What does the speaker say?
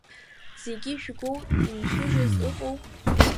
Зегьы жәгоу, иншәыжьыз ыҟоу?